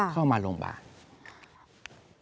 เข้ามาโรงบาล